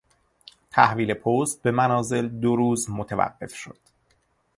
تحویل پست به منازل دو روز متوقف شد.